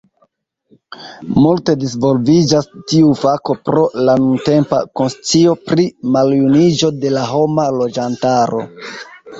Multe disvolviĝas tiu fako pro la nuntempa konscio pri maljuniĝo de la homa loĝantaro.